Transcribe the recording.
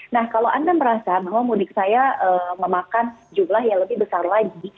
nah kalau anda merasa bahwa mudik saya memakan jumlah yang lebih besar lagi